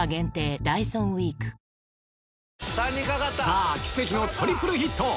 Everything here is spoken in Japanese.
さぁ奇跡のトリプルヒット！